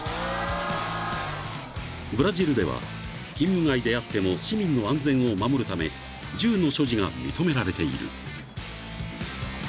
［ブラジルでは勤務外であっても市民の安全を守るため銃の所持が認められている］